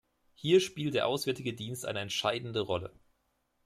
Hier spielt der Auswärtige Dienst eine entscheidende Rolle.